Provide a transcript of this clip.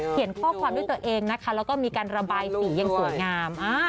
ข้อความด้วยตัวเองนะคะแล้วก็มีการระบายสีอย่างสวยงาม